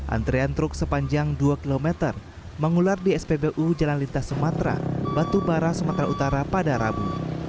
antrean truk sepanjang dua km mengular di spbu jalan lintas sumatera batubara sumatera utara pada rabu